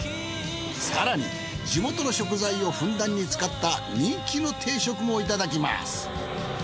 更に地元の食材をふんだんに使った人気の定食もいただきます。